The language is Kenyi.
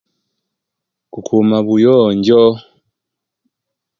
Kukuuma buyonjjo.